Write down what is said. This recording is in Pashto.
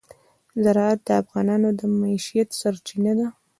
زراعت د افغانانو د معیشت سرچینه ده.